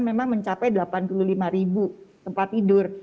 memang mencapai delapan puluh lima ribu tempat tidur